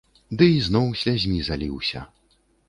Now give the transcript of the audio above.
Ды ізноў слязьмі заліўся.